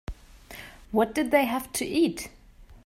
What did they have to eat?